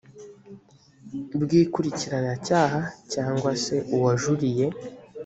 bw ikurikiranacyaha cyangwa se uwajuriye